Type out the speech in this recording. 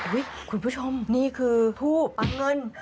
อุ๊ยคุณผู้ชมนี่คือผู้ปังเงิน